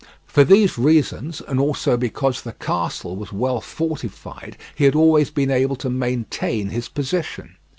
For these reasons, and also because the castle was well fortified, he had always been able to maintain his position.